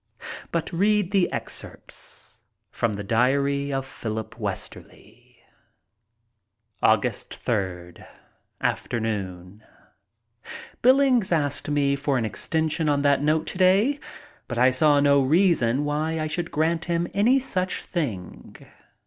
But read the excerpts from the diary of Philip Westerly. ug. 3rd. Afternoon: Billings asked for an extension on that note today, but I saw no reason why I should grant him any such thing.